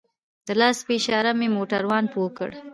د لاس په اشاره مې موټروان پوه کړ.